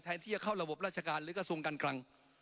ที่จะเข้าระบบราชการหรือกระทรวงการคลัง